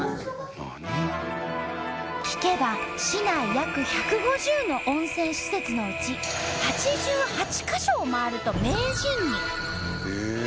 聞けば市内約１５０の温泉施設のうち８８か所を回ると名人に。